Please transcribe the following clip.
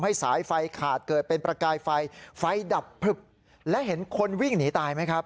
สายไฟขาดเกิดเป็นประกายไฟไฟดับพลึบและเห็นคนวิ่งหนีตายไหมครับ